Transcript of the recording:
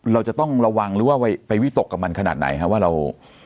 เราจะต้องระวังหรือว่าไปวิตกกับมันขนาดไหนครับว่าเรา